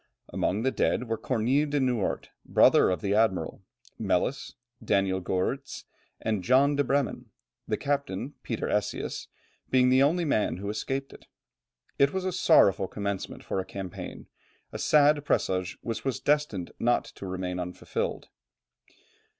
Among the dead were Cornille de Noort, brother of the admiral, Melis, Daniel Goerrits, and John de Bremen the captain, Peter Esias, being the only man who escaped. It was a sorrowful commencement for a campaign, a sad presage which was destined not to remain unfulfilled.